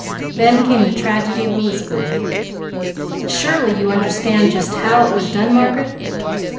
Then came the tragedy of Elizabeth. Surely you understand 'just how' it was done Margaret?"